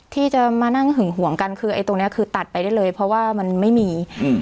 ที่จะมานั่งหึงห่วงกันคือไอ้ตรงเนี้ยคือตัดไปได้เลยเพราะว่ามันไม่มีอืม